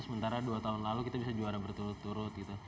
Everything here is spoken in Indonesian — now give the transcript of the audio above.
sementara dua tahun lalu kita bisa juara berturut turut gitu